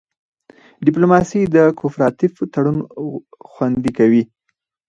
ډیپلوماسي د کوپراتیف تړون خوندي کوي